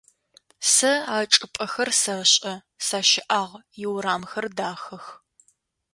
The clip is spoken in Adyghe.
Сэ а чӏыпӏэхэр сэшӏэ, сащыӏагъ, иурамхэр дахэх.